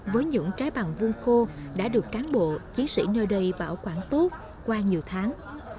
với những trái bằng vuông khô đã được cán bộ chiến sĩ nơi đây bảo quản tốt qua nhiều tháng